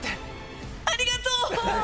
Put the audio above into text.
ありがとう！